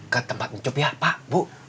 ke tempat ncoba ya pak bu